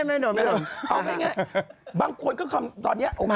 ไม่เอาเป็นง่ายบางคนก็คำตอนนี้โอเค